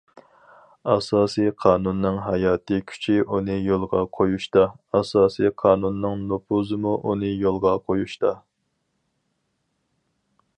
ئاساسىي قانۇننىڭ ھاياتىي كۈچى ئۇنى يولغا قويۇشتا، ئاساسىي قانۇننىڭ نوپۇزىمۇ ئۇنى يولغا قويۇشتا.